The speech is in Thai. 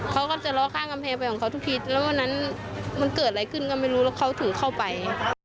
เขาก็จะล้อข้างกำแพงไปของเขาทุกทีแล้ววันนั้นมันเกิดอะไรขึ้นก็ไม่รู้แล้วเขาถือเข้าไป